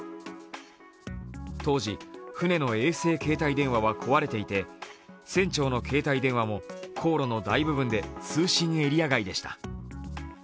当時、船の衛星携帯電話は壊れていて船長の携帯電話も航路の大部分で通信エリア外でした。